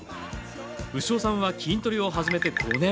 牛尾さんは筋トレを始めて５年。